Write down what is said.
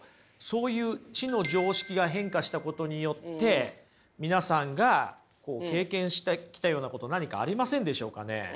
そういう知の常識が変化したことによって皆さんが経験してきたようなこと何かありませんでしょうかね？